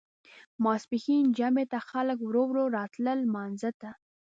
ماسپښین جمعې ته خلک ورو ورو راتلل لمانځه ته.